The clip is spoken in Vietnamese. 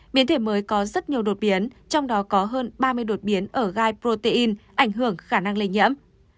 biến thể mới có rất nhiều đột biến trong đó có hơn ba mươi đột biến ở gai protein ảnh hưởng khả năng lây nhiễm